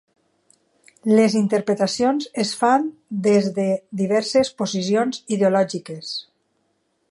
Les interpretacions es fan des de diverses posicions ideològiques.